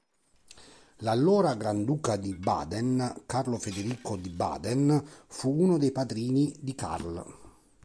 L'allora granduca di Baden, Carlo Federico di Baden, fu uno dei padrini di Karl.